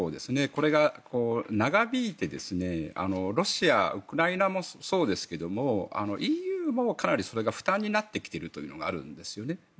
これが長引いてロシア、ウクライナもそうですがＥＵもかなりそれが負担になってきているというのがあるんですよね。